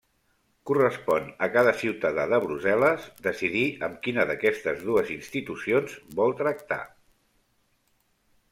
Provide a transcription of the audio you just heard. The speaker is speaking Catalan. Correspon a cada ciutadà de Brussel·les decidir amb quina d'aquestes dues institucions vol tractar.